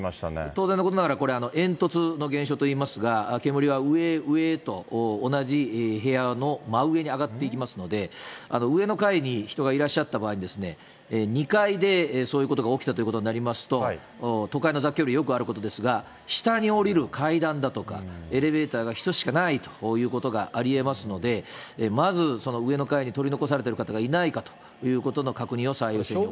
当然のことながら、これ、煙突の現象といいますが、煙は上へ上へと、同じ部屋の真上に上がっていきますので、上の階に人がいらっしゃった場合に、２階でそういうことが起きたということになりますと、都会の雑居ビル、よくあることですが、下に下りる階段だとか、エレベーターが１つしかないということがありえますので、まずその上の階に取り残されている方がいないかということの確認を最優先にしているかと。